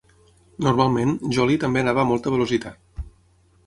Normalment, Jolly també anava a molta velocitat.